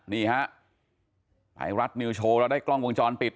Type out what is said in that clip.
นี่ฮะไทยรัฐนิวโชว์เราได้กล้องวงจรปิด